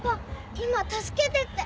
今「助けて」って。